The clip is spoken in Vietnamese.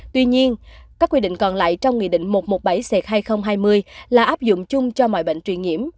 tuy nhiên các quy định còn lại trong nghị định một trăm một mươi bảy ct hai nghìn hai mươi là áp dụng chung cho mọi bệnh truyền nhiễm